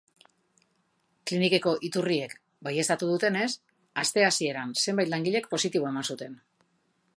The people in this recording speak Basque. Klinikako iturriek baieztatu dutenez, aste hasieran zenbait langilek positibo eman zuten.